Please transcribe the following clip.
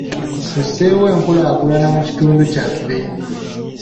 Tusseewo enkulaakulana mu kitundu kyaffe.